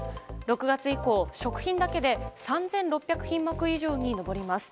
６月以降、食品だけで３６００品目以上に上ります。